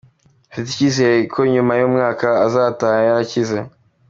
Mfite icyizere ko nyuma y’umwaka azataha yarakize.